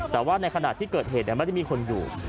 แต่ว่าในขณะที่เกิดเหตุไม่ได้มีคนอยู่